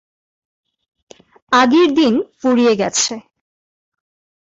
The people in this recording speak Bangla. আগের দিন ফুরিয়ে গেছে।